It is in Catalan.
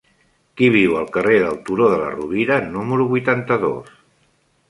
Qui viu al carrer del Turó de la Rovira número vuitanta-dos?